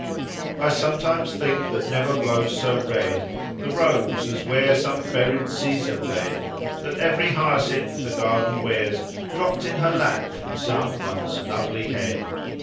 "I sometimes think that never blows so red The Rose as where some buried Caesar bled; That every Hyacinth the Garden wears Dropt in her Lap from some once lovely Head.